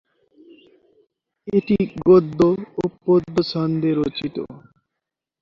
এটি গদ্য ও পদ্য ছন্দে রচিত।